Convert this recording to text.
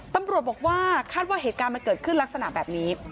ตำรวจบอกว่าคาดว่าเหตุการณ์มันเกิดขึ้นลักษณะแบบนี้